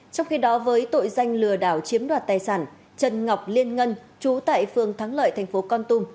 trong khi đó với tội danh lừa đảo chiếm đoạt tài sản trần ngọc liên ngân trú tại phường thắng lợi thành phố con tum